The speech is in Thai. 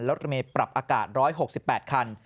และรถเมฆปรับอากาศ๑๖๘คัน